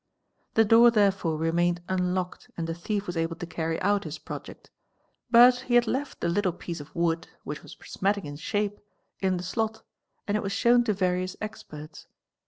'The door therefore remain unlocked and the thief was able to carry out his project ; but he had | the little piece of wood, which was prismatic in shape, in the slot ar d was shown to various experts.